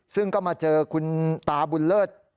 ซึ่งก็มาเจอคุณตาบุญเลิศ